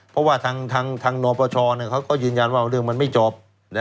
เพราะว่าทางนปชเขาก็ยืนยันว่าเรื่องมันไม่จบ